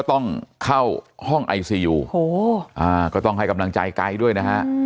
ต้องเข้าห้องไอซียูก็ต้องให้กำลังใจไกด์ด้วยนะฮะ